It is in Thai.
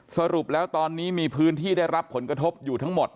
สรุปแล้วตอนนี้มีพื้นที่ได้รับผลกระทบอยู่ทั้งหมด